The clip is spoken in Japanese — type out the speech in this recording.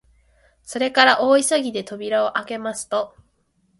それから大急ぎで扉をあけますと、